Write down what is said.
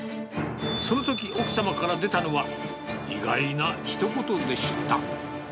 そのとき、奥様から出たのは意外な一言でした。